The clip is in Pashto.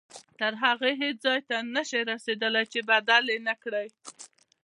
تر هغې هیڅ ځای ته نه شئ رسېدلی چې یې بدل نه کړئ.